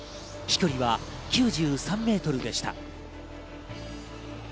飛距離は９３メートルでした。